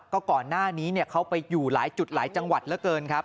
ก็ก่อนหน้านี้เขาไปอยู่หลายจุดหลายจังหวัดเหลือเกินครับ